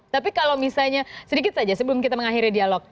tapi kalau misalnya sedikit saja sebelum kita mengakhiri dialog